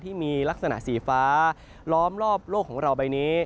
ที่มีลักษณะสีฟ้าล้อมรอบโลกของเราใบนี้